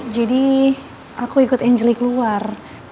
jadi aku ikut angel li keluar